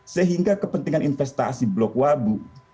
sehingga kepentingan investasi blok wabu